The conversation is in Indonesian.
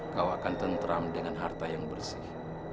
kau akan tentram dengan harta yang bersih